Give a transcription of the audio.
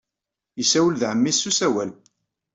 Yessawel d ɛemmi-s s usawal.